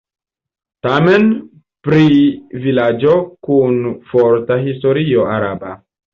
Temas pri vilaĝo kun forta historio araba.